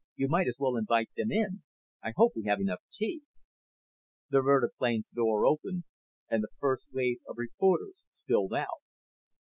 "You might as well invite them in. I hope we have enough tea." The vertiplane's door opened and the first wave of reporters spilled out.